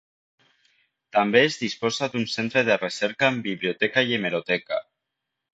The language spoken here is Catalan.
També es disposa d'un centre de recerca amb biblioteca i hemeroteca.